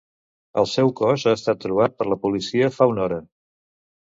El seu cos ha estat trobat per la policia fa una hora.